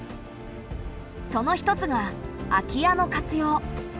その一つが空き家の活用。